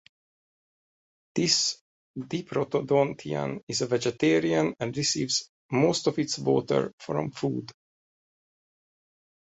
This diprotodontian is a vegetarian and receives most of its water from food.